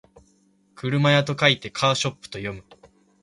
車屋と書いてカーショップと読む